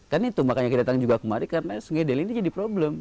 kan itu makanya kita datang juga kemari karena sungai deli ini jadi problem